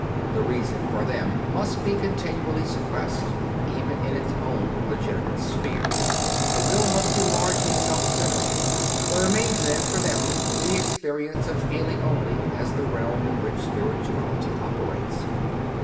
The Reason, for them, must be continually suppressed even in its own legitimate sphere; the Will must be largely self centred. There remains then, for them, CONFESSIONS OF A CONVERT 83 the experience of feeling, only, as the realm in which spirituality operates.